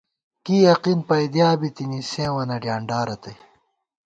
کی یقین پَئیدِیا بِتِنی ، سیوں وَنہ ڈیانڈا رتئ